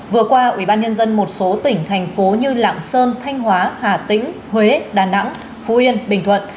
vừa qua ubnd một số tỉnh thành phố như lạng sơn thanh hóa hà tĩnh huế đà nẵng phú yên bình thuận